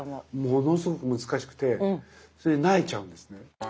ものすごく難しくてそれで萎えちゃうんですね。